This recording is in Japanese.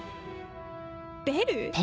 ベル？